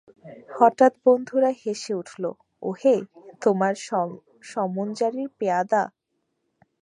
হঠাৎ বন্ধুরা হেসে উঠল, ওহে, তোমার সমনজারির পেয়াদা।